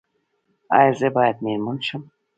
ایا زه باید میرمن شم؟